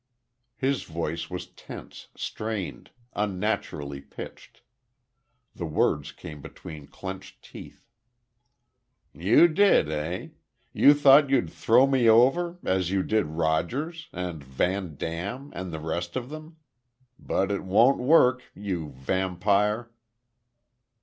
His voice was tense, strained, unnaturally pitched. The words came between clenched teeth. "You did, eh? You thought you'd throw me over, as you did Rogers, and Van Dam, and the rest of them.... But it won't work you Vampire!"